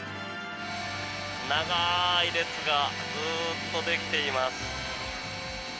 長い列がずっとできています。